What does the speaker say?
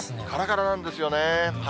からからなんですよね。